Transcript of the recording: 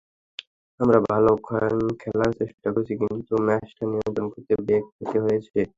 আমরা ভালো খেলার চেষ্টা করেছি, কিন্তু ম্যাচটা নিয়ন্ত্রণ করতে বেগ পেতে হয়েছে।